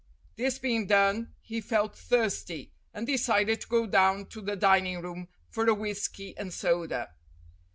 This being done, he felt thirsty, and decided to go down to the dining room for a whisky and soda.